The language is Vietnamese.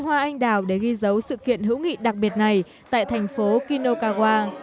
hoa anh đào để ghi dấu sự kiện hữu nghị đặc biệt này tại thành phố kinokawa